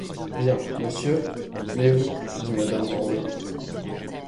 Bien, monsieur ; mais vous, dit madame Grandet.